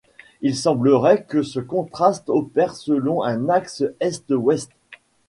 Il semblerait que ce contraste opère selon un axe Est-Ouest.